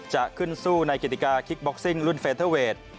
จะขึ้นสู้ในกิติกาคิกบ็อกซิ่งรุ่นเฟเทอร์เวท